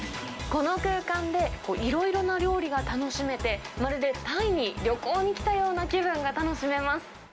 この空間でいろいろな料理が楽しめて、まるでタイに旅行に来たような気分が楽しめます。